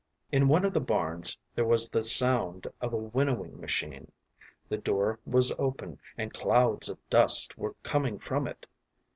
In one of the barns there was the sound of a winnowing machine, the door was open, and clouds of dust were coming from it.